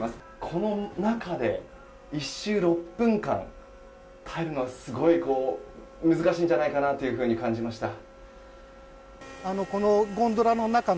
この中で１周６分間耐えるのはすごい難しいんじゃないかなと感じました。